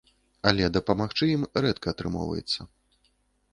Але дапамагчы ім рэдка атрымоўваецца.